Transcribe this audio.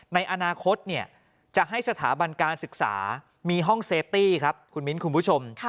ในอนาคตจะให้สถาบันการศึกษามีห้องเซฟตี้ครับคุณมิ้นคุณผู้ชม